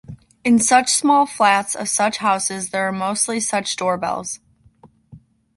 In such small flats of such houses there are mostly such door bells.